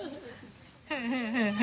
フフフ。